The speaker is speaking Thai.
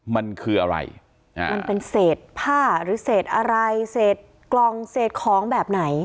มันคืออะไรมันเป็นเศษผ้าหรือเศษอะไรเศษกล่องเศษของแบบไหน